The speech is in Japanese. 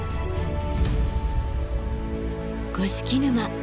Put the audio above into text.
五色沼